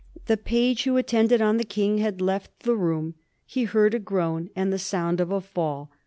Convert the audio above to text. The page who attended on the King had left the room. He heard a groan and the sonnd of a fall.